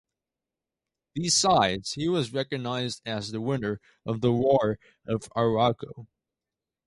Besides, he was recognized as the winner of the War of Arauco.